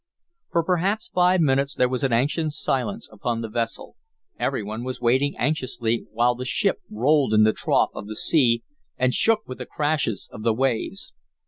For perhaps five minutes there was an anxious silence upon the vessel. Every one was waiting anxiously, while the ship rolled in the trough of the sea and shook with the crashes of the waves.